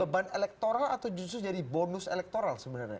jadi beban elektoral atau justru jadi bonus elektoral sebenarnya